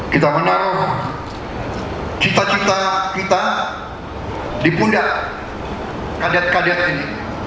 kita menaruh cita cita kita di pundak kadit kadiat ini